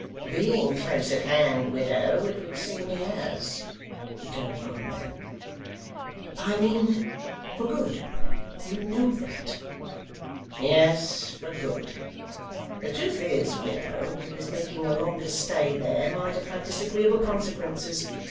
'Being close at hand, widow, it would seem he has,' returned the blind man. 'I mean, for good? You know that.' 'Yes, for good. The truth is, widow, that his making a longer stay there might have had disagreeable consequences.